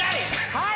◆はい！